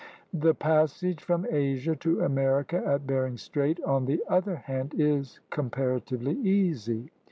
The passage from Asia to America at Bering Strait, on the other hand, is comparatively easy.